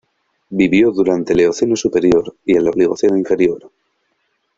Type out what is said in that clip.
Vivió durante el Eoceno superior y el Oligoceno inferior.